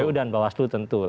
kpu dan bawaslu tentu